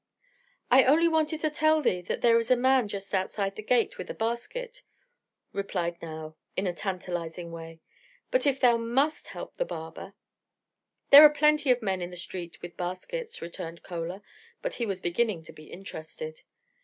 "I only wanted to tell thee that there is a man just outside the gate with a basket," replied Nao, in a tantalizing way; "but if thou must help the barber " "There are plenty of men in the street with baskets," returned Chola; but he was beginning to be interested.